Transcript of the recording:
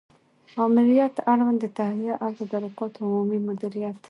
آمریت اړوند د تهیه او تدارکاتو عمومي مدیریت